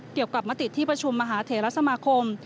กับมติที่ประชุมมหาเถระสมาคม